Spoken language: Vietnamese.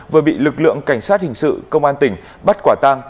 vừa bị lực lượng cảnh sát hình sự công an tỉnh bắt quả tang